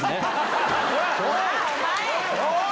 おい！